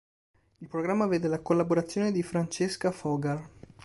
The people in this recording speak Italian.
Il programma vede la collaborazione di Francesca Fogar.